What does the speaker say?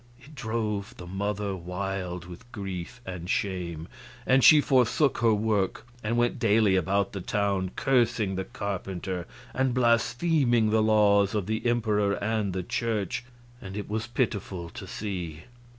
It drove the mother wild with grief and shame, and she forsook her work and went daily about the town, cursing the carpenter and blaspheming the laws of the emperor and the church, and it was pitiful to see.